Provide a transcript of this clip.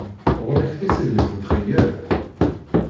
Γur-k tissegnit n txeyyaṭ?